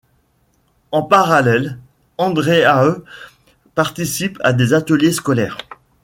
En parallèle, Andréae participe à des ateliers scolaires.